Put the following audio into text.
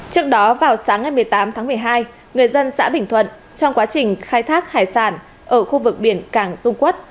trước đó vào sáng ngày một mươi tám tháng một mươi hai người dân xã bình thuận trong quá trình khai thác hải sản ở khu vực biển cảng dung quốc